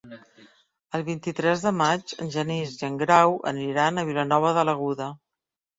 El vint-i-tres de maig en Genís i en Grau aniran a Vilanova de l'Aguda.